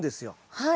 はい。